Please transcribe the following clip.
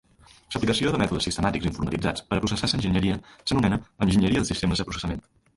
L'aplicació de mètodes sistemàtics informatitzats per a processar l'enginyeria s'anomena "enginyeria de sistemes de processament".